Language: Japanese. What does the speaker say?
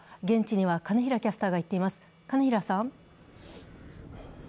現地には金平キャスターが行っています。